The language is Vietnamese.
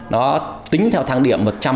nó tính theo tháng điểm một trăm linh